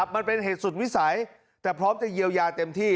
มันเป็นเหตุสุดวิสัยแต่พร้อมจะเยียวยาเต็มที่